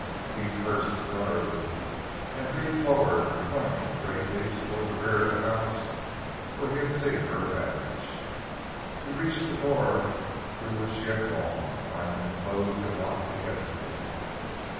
He cursed gutturally and leaped forward, running with great leaps toward the rear of the house, where he had seen her vanish. He reached the door through which she had gone, finding it closed and locked against him.